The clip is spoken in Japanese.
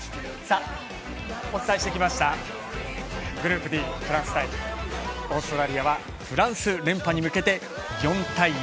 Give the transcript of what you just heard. お伝えしてきました、グループＤフランス対オーストラリアはフランス連覇に向けて、４対１。